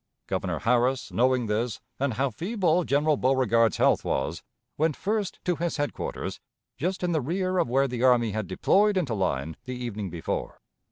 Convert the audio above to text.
Governor Harris, knowing this, and how feeble General Beauregard's health was, went first to his headquarters just in the rear of where the army had deployed into line the evening before.